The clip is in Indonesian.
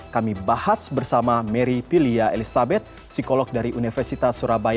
kami bahas bersama mary pilia elizabeth psikolog dari universitas surabaya